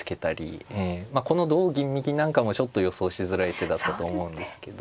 この同銀右なんかもちょっと予想しづらい手だったと思うんですけど。